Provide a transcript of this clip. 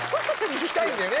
聴きたいんだよね